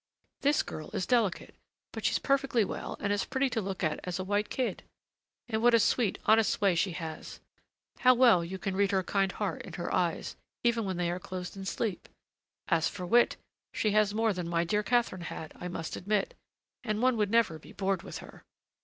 This girl is delicate, but she's perfectly well and as pretty to look at as a white kid! And what a sweet, honest way she has! how well you can read her kind heart in her eyes, even when they are closed in sleep! As for wit, she has more than my dear Catherine had, I must admit, and one would never be bored with her.